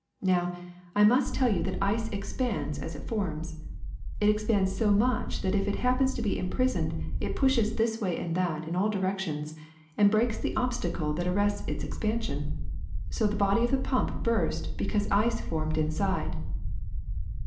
Now, I must tell you that ice expands as it forms. It expands so much that if it happens to be imprisoned it pushes this way and that, in all directions, and breaks the obstacle that arrests its expansion. So the body of the pump burst because ice formed inside."